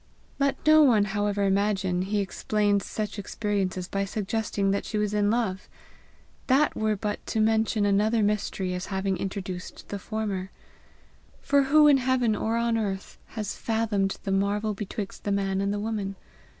Let no one, however, imagine he explains such experiences by suggesting that she was in love! That were but to mention another mystery as having introduced the former. For who in heaven or on earth has fathomed the marvel betwixt the man and the woman?